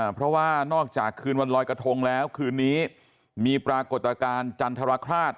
เพราะว่านอกจากคืนวันลอยกระทงแล้วคืนนี้มีปรากฏการณ์จันทรคราช